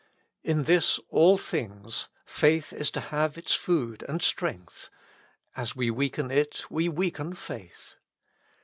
In this "all things " faith is to have its food and strength : as we weaken it we weaken faith.